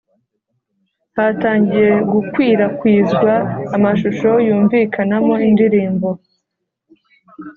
hatangiye gukwirakwizwa amashusho yumvikanamo indirimbo